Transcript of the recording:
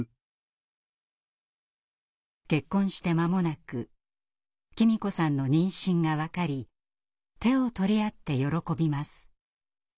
結婚して間もなく喜美子さんの妊娠が分かり手を取り合って喜びます。